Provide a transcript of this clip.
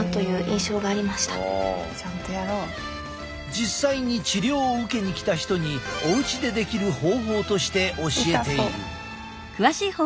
実際に治療を受けに来た人におうちでできる方法として教えている。